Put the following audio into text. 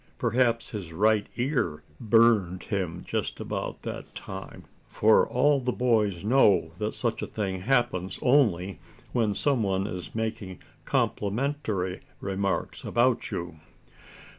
Perhaps his right ear burned him just about that time, for all boys know that such a thing happens only when some one is making complimentary remarks about you.